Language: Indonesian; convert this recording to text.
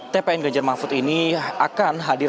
tpn ganjar mahfud ini akan hadir